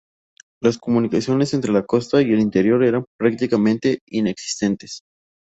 Las comunicaciones entre la costa y el interior eran prácticamente inexistentes.